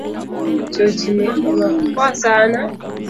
Chochni omako chiro, ute thieth, apaya nyaka ute lemo.